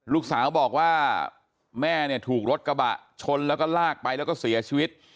ลูกสาวบอกว่าแม่เนี่ยถูกรถกระบะชนแล้วก็ลากไปแล้วก็เสียชีวิต